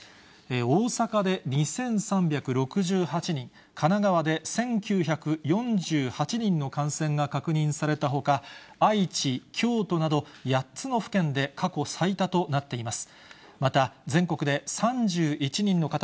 大阪で２３６８人、神奈川で１９４８人の感染が確認されたほか、愛知、京都など、８つの府県で過去最多となっています。